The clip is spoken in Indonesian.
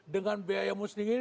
dengan biayamu sendiri